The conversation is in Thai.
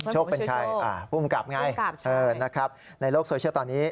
โชคเป็นใครผู้กำกับไงนะครับในโลกโซเชียลตอนนี้